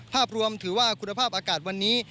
ภาพรวมถือว่าคุณภาพอากาศวันนี้